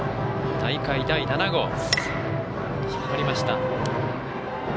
大会第７号。